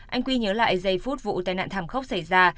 anh quy nhớ lại giây phút vụ tai nạn thảm khốc xảy ra